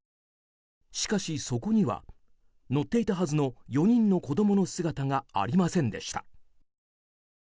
しかし、そこには乗っていたはずの４人の子供の姿がありませんでした。